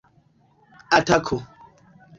atako